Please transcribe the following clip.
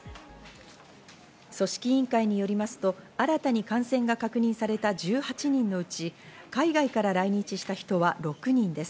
組織委員会によりますと、新たに感染が確認された１８人のうち、海外から来日した人は６人です。